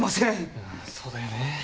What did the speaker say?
うんそうだよね。